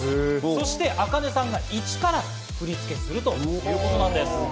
そしてａｋａｎｅさんがイチから振り付けするということなんです。